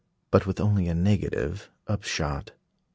But with only a negative upshot.